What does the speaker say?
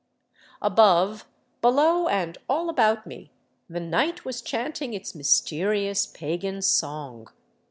Above, below, and all about me the night was chanting its mysterious pagan song.